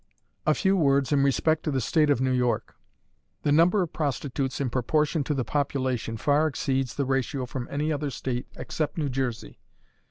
A few words in respect to the State of New York. The number of prostitutes in proportion to the population far exceeds the ratio from any other state except New Jersey.